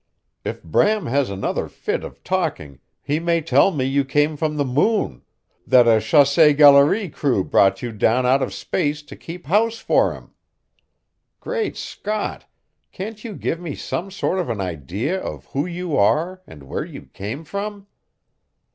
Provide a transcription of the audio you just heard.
If Bram has another fit of talking he may tell me you came from the moon that a chasse galere crew brought you down out of space to keep house for him. Great Scott, can't you give me some sort of an idea of who you are and where you same from?"